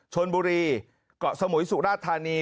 ชนบุรีเกาะสมุยสุราธานี